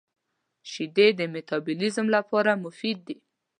• شیدې د مټابولیزم لپاره مفید دي.